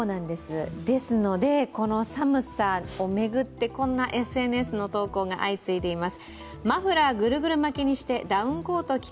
ですので、この寒さを巡ってこんなＳＮＳの投稿が相次いでいます